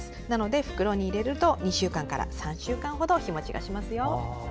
なので、袋に入れると２週間から３週間ほど日もちがしますよ。